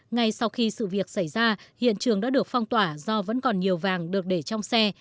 ngay sau khi sự việc xảy ra hiện trường đã được phong tỏa do vẫn còn nhiều vàng được để trong xe